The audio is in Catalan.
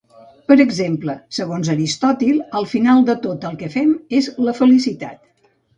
Per exemple, segons Aristòtil al final de tot el que fem és la felicitat.